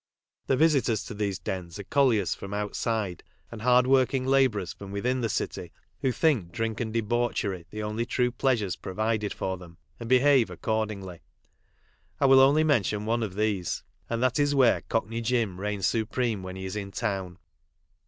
The visitors to these dens are colliers from outside and hard working" labourers from within the city who think drink and debauchery the only true pleasures provided for them, and behave accordingly. I will only men tion one of these, and that is where Cocknev Jim reigns supreme when he is in town.